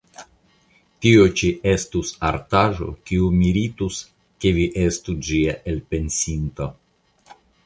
Tio ĉi estus artaĵo, kiu meritus, ke vi estu ĝia elpensinto.